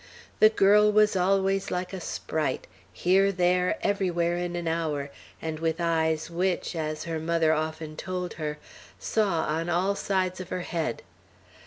The girl was always like a sprite, here, there, everywhere, in an hour, and with eyes which, as her mother often told her, saw on all sides of her head.